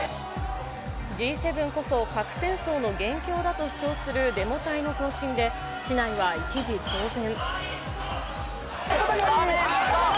Ｇ７こそ核戦争の元凶だと主張するデモ隊の行進で、市内は一時、騒然。